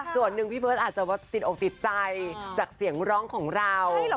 ส่วนหนึ่งพี่เบิร์ตอาจจะติดอกติดใจจากเสียงร้องของเรา